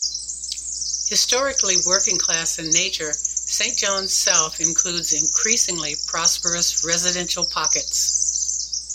Historically working class in nature, Saint John's South includes increasingly prosperous residential pockets.